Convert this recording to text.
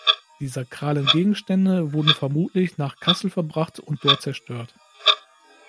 Die sakralen Gegenstände wurden vermutlich nach Kassel verbracht und dort zerstört.